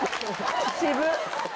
渋っ。